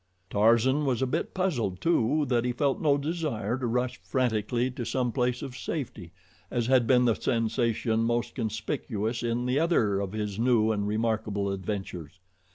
Tarzan was a bit puzzled, too, that he felt no desire to rush frantically to some place of safety, as had been the sensation most conspicuous in the other of his new and remarkable adventures.